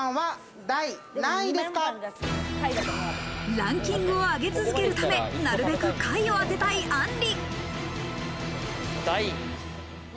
ランキングを上げ続けるため、なるべく下位を当てたいあんり。